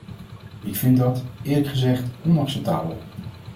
Ik vind dat, eerlijk gezegd, onacceptabel.